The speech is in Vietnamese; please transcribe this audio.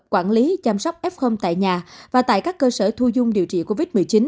quản lý chăm sóc f tại nhà và tại các cơ sở thu dung điều trị covid một mươi chín